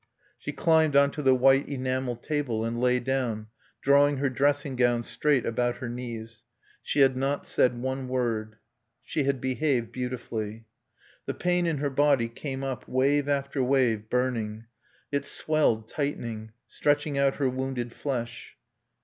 She climbed on to the white enamel table, and lay down, drawing her dressing gown straight about her knees. She had not said one word. She had behaved beautifully. The pain in her body came up, wave after wave, burning. It swelled, tightening, stretching out her wounded flesh.